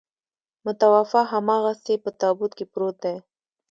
متوفي هماغسې په تابوت کې پروت دی.